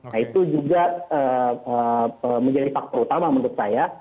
nah itu juga menjadi faktor utama menurut saya